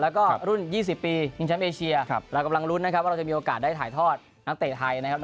แล้วก็รุ่น๒๐ปีชิงแชมป์เอเชียเรากำลังลุ้นนะครับว่าเราจะมีโอกาสได้ถ่ายทอดนักเตะไทยนะครับ